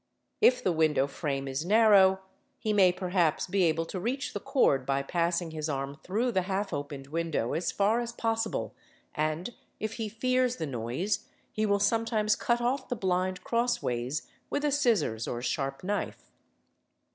If the window frame is narrow, he may perhaps be able to reach the cord by passing his arm through the half opened window as far as possible, and, if he fears the noise, he will sometimes cut off the blind crossways with a scissors or sharp knife.